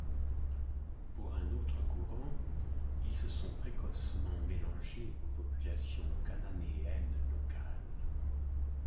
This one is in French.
Pour un autre courant, ils se sont précocement mélangés aux populations cananéennes locales.